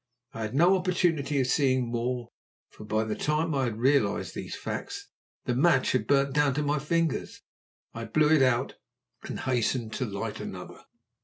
I had no opportunity of seeing more, for by the time I had realized these facts the match had burnt down to my fingers. I blew it out and hastened to light another.